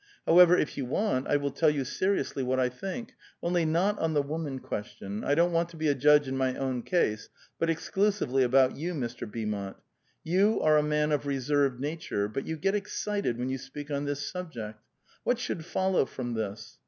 However, if you want, I will tell you seriousl}* what I think — only not on the woman question : I don't want to be a jiidge in my own case, but exclusively about yon, Mr. Beaumont. You are a man of reserved nature, but you get excited when you speak on this subject. What slionid follow from this?